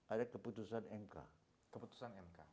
ada keputusan mk